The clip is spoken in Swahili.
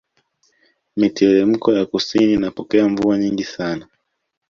Miteremko ya kusini inapokea mvua nyingi sana